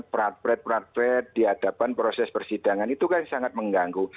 prakret pragpet di hadapan proses persidangan itu kan sangat mengganggu